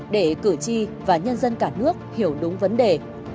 để cử tri và nhân dân cả nước hiểu đúng vấn đề